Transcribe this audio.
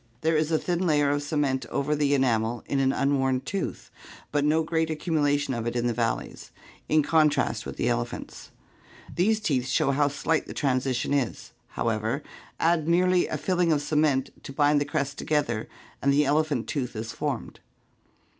There is a thin layer of cement over the enamel in an unworn tooth, but no great accumulation of it in the valleys, in contrast with the ele phants. These teeth show how slight the transition is, however; add merely a filling of cement to bind the crests together and the elephant tooth is formed.